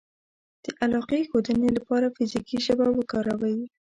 -د علاقې ښودنې لپاره فزیکي ژبه وکاروئ